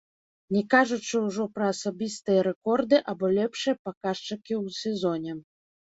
Не кажучы ўжо пра асабістыя рэкорды або лепшыя паказчыкі ў сезоне.